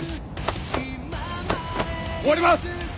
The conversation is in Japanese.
終わります！